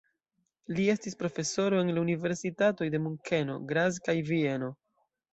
Li estis profesoro en la universitatoj de Munkeno, Graz kaj Vieno.